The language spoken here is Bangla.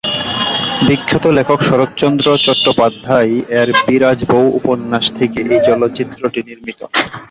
বিখ্যাত লেখক শরৎচন্দ্র চট্টোপাধ্যায় এর বিরাজ বৌ উপন্যাস থেকে এই চলচ্চিত্রটি নির্মিত।